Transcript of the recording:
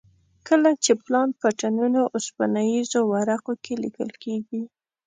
کله چې پلان په ټنونو اوسپنیزو ورقو کې لیکل کېږي.